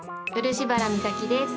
漆原実咲です。